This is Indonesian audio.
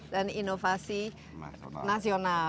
dan inovasi nasional